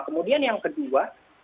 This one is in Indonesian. kemudian yang kedua